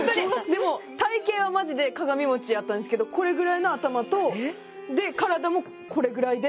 でも体形はマジで鏡餅やったんですけどこれぐらいの頭と体もこれぐらいで。